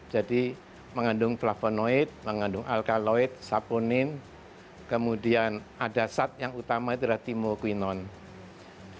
jadi mengandung flavonoid mengandung alkaloid saponin kemudian ada sat yang utama yaitu timoquinone